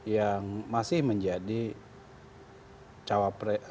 yang masih menjadi cawapre